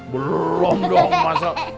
berom dong masa